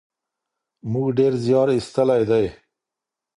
موږ ډېر زیار ایستلی دی.